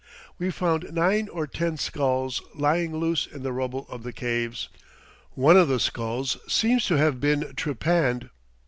We found nine or ten skulls lying loose in the rubble of the caves. One of the skulls seemed to have been trepanned.